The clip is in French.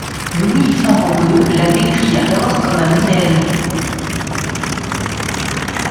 Louis Favoreu la décrit alors comme un modèle.